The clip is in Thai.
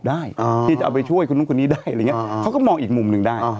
ได้ที่จะเอาไปช่วยคนนู้นคนนี้ได้อะไรอย่างนี้เขาก็มองอีกมุมหนึ่งได้